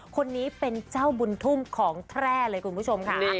คนนี้เป็นเจ้าบุญทุ่มของแพร่เลยคุณผู้ชมค่ะ